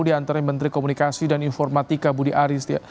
di antara menteri komunikasi dan informatika budi aris